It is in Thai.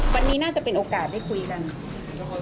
วันนี้น่าจะเป็นโอกาสได้คุยกัน